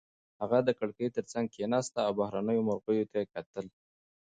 هغه د کړکۍ تر څنګ کېناسته او بهرنیو مرغیو ته یې وکتل.